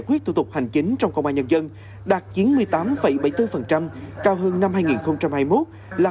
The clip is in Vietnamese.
quyết thủ tục hành chính trong công an nhân dân đạt chín mươi tám bảy mươi bốn cao hơn năm hai nghìn hai mươi một là bảy mươi tám